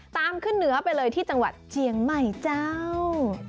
ขึ้นเหนือไปเลยที่จังหวัดเชียงใหม่เจ้า